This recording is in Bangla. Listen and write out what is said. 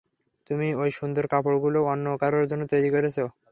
তুমি ঐ সুন্দর কাপরগুলো অন্য কারো জন্য তৈরি করছো?